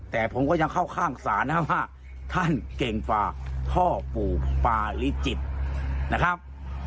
แต่ผมก็ยังเข้าข้างศาลนะครับว่าท่านเก่งกว่าพ่อปู่ปาริจิตนะครับ